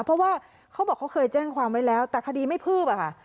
เพราะว่าเขาบอกเขาเคยแจ้งความไว้แล้วแต่คดีไม่คืบอะค่ะ